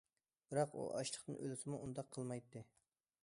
بىراق ئۇ ئاچلىقتىن ئۆلسىمۇ ئۇنداق قىلمايتتى.